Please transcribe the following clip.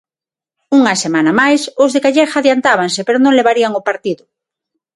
Unha semana máis, os de Calleja adiantábanse, pero non levarían o partido.